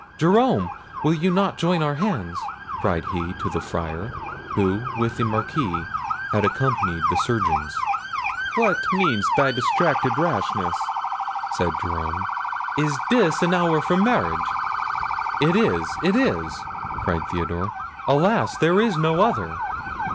Jerome! will you not join our hands?" cried he to the Friar, who, with the Marquis, had accompanied the surgeons. "What means thy distracted rashness?" said Jerome. "Is this an hour for marriage?" "It is, it is," cried Theodore. "Alas! there is no other!"